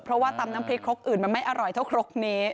เพราะว่าตำน้ำพริกครกอื่นมันไม่อร่อยเท่าครกนี้